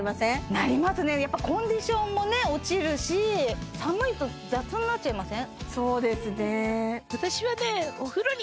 なりますねやっぱコンディションもね落ちるし寒いと雑になっちゃいません？